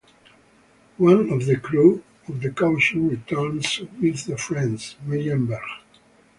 One of the crew of the "Cauchy" returns with the Friends, Miriam Berg.